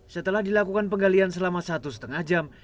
setelah dilakukan penggalian selama satu lima jam